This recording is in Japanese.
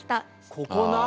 ここな！